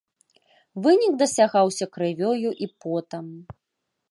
Вынік дасягаўся крывёю і потам.